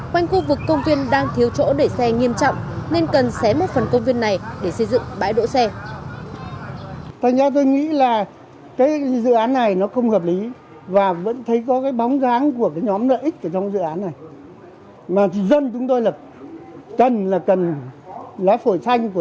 quanh khu vực công viên đang thiếu chỗ để xe nghiêm trọng nên cần xé một phần công viên này